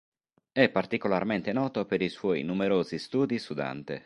È particolarmente noto per i suoi numerosi studi su Dante.